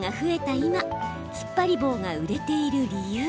今つっぱり棒が売れている理由